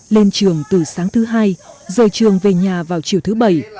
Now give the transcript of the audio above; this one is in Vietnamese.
lên trường từ sáng thứ hai rời trường về nhà vào chiều thứ bảy